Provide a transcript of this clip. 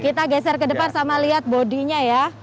kita geser ke depan sama lihat bodinya ya